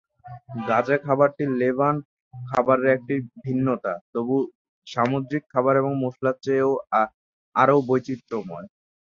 গাজা খাবারটি লেভান্ট খাবারের একটি ভিন্নতা, তবে সামুদ্রিক খাবার এবং মশলার চেয়ে আরও বৈচিত্র্যময়।